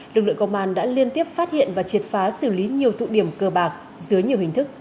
lực lượng công an đã liên tiếp phát hiện và triệt phá xử lý nhiều tụ điểm cờ bạc dưới nhiều hình thức